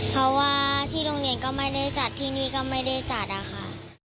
เพราะว่าที่โรงเรียนก็ไม่ได้จัดที่นี่ก็ไม่ได้จัดอะค่ะ